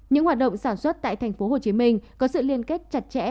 những hoạt động sản xuất tại tp hcm có sự liên kết chặt chẽ